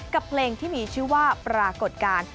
กับเพลงที่มีชื่อว่าปรากฏการณ์